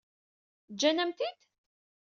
Ǧǧan-am-t-id?